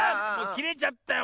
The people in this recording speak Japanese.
きれちゃったよ